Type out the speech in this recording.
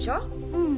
うん。